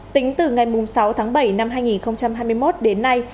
tính từ ngày sáu tháng bảy năm hai nghìn hai mươi một đến nay